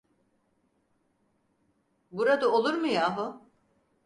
Burada olur mu yahu?